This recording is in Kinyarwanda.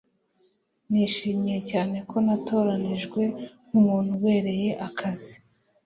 Nishimiye cyane ko natoranijwe nkumuntu ubereye akazi